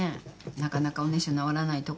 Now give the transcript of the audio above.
なかなかおねしょなおらないところとか。